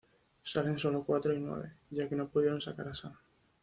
Salen solo Cuatro y Nueve, ya que no pudieron sacar a Sam.